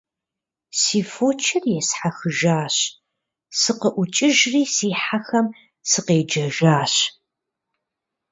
Си фочыр есхьэхыжащ, сыкъыӀукӀыжри си хьэхэм сыкъеджэжащ.